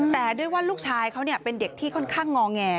แต่ด้วยว่าลูกชายเขาเป็นเด็กที่ค่อนข้างงอแง